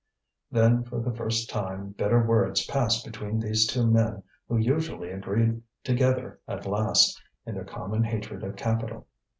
Then for the first time bitter words passed between these two men who usually agreed together at last, in their common hatred of capital.